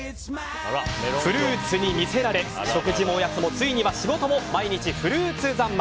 フルーツに魅せられ食事もおやつもついには仕事も毎日フルーツ三昧。